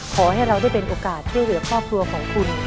ขอให้เราได้เป็นโอกาสช่วยเหลือครอบครัวของคุณ